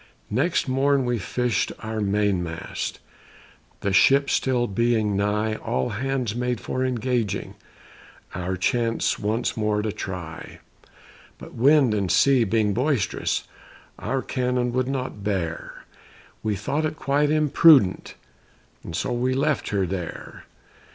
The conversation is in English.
Next morn we fished our main mast, The ship still being nigh, All hands made for engaging, Our chance once more to try; But wind and sea being boisterous, Our cannon would not bear, We thought it quite imprudent And so we left her there.